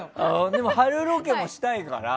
でも貼るロケもしたいから。